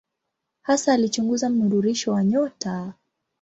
Hasa alichunguza mnururisho wa nyota.